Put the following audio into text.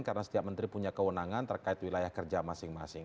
karena setiap menteri punya keundangan terkait wilayah kerja masing masing